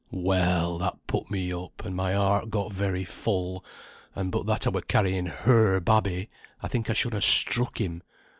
"Well! that put me up, and my heart got very full, and but that I were carrying her babby, I think I should ha' struck him.